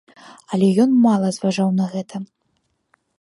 Але ён мала зважаў на гэта.